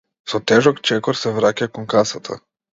Со тежок чекор се враќа кон касата.